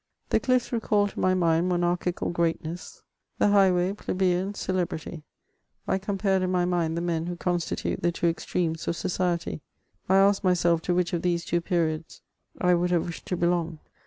The cliffs recalled to my mind monarchical greatness, the high way plebeian celebrity ; I compared in my mind the men who constitute the two extremes of society ; I asked myself to which of these two periods I would have wished to belong.